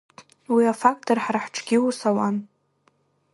Уи афактор ҳара ҳҿгьы аус ауан.